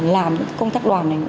làm công tác đoàn này